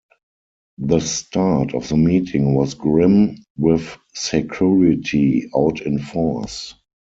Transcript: The start of the meeting was grim, with security out in force.